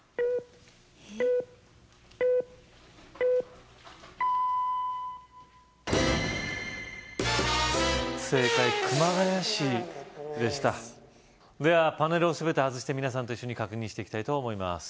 えっ正解熊谷市でしたではパネルをすべて外して皆さんと一緒に確認していきたいと思います